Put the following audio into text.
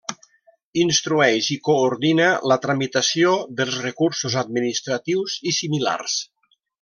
Instrueix i coordina la tramitació dels recursos administratius i similars.